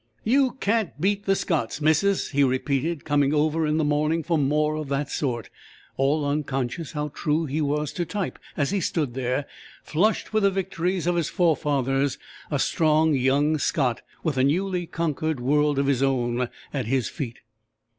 "You can't beat the Scots, missus!" he repeated, coming over in the morning for "more of that sort," all unconscious how true he was to type, as he stood there, flushed with the victories of his forefathers, a strong, young Scot, with a newly conquered world of his own at his feet.